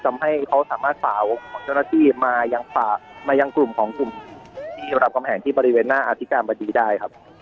ทำให้เขาสามารถสาวของเจ้าหน้าที่มายังฝากมายังกลุ่มของกลุ่มที่รามกำแหงที่บริเวณหน้าอธิการบดีได้ครับ